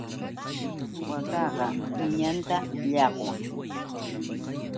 Waakaqa uñanta llaqwan.